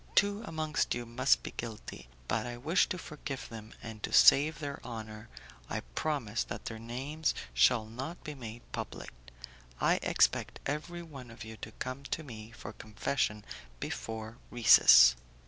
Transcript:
Two amongst you must be guilty; but I wish to forgive them, and to save their honour I promise that their names shall not be made public. I expect every one of you to come to me for confession before recess."